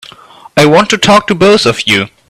I want to talk to both of you.